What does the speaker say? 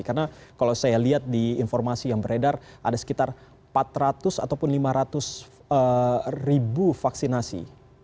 karena kalau saya lihat di informasi yang beredar ada sekitar empat ratus ataupun lima ratus ribu vaksinasi